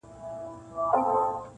بل ملګری هم په لار کي ورپیدا سو-